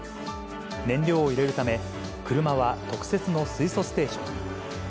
燃料を入れるため、車は特設の水素ステーションに。